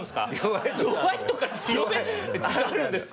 弱いとか強めあるんですか？